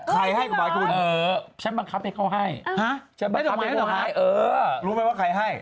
ใครให้บาทคุณใช่บ้างคับให้เขาให้เอ่อรู้ไหมว่าใครให้